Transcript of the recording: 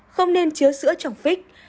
không nên chứa sữa trong phích